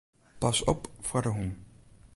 Pas op foar de hûn.